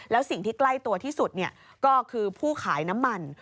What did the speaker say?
แล้วสิ่งที่ใกล้ตัวที่สุดก็คือผู้ขายน้ำมัน